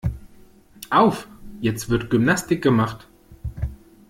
Auf, jetzt wird Gymnastik gemacht.